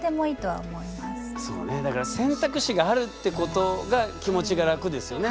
そうねだから選択肢があるってことが気持ちが楽ですよね？